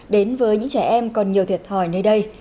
đến với những trẻ em còn nhiều thiệt thòi nơi đây